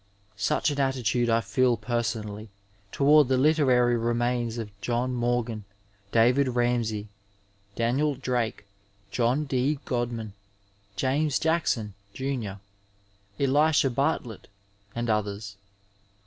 Such an attitude I feel personally toward the literary remains of John Morgan, David Ramsay, Daniel Drake, John D. Godman, James Jackson, jimr., Elisha Bartlett and others..